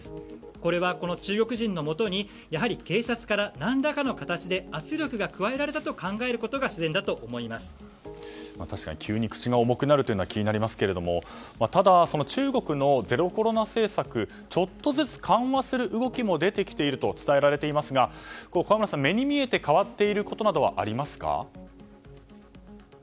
これは、この中国人のもとに警察から何らかの形で圧力が加えられたと考えることが確かに急に口が重くなるのは気になりますけどただ、中国のゼロコロナ政策ちょっとずつ緩和する動きも出てきていると伝えられていますが河村さん、目に見えて変わっていることなどはありますか？